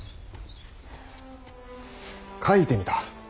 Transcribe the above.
書いてみた。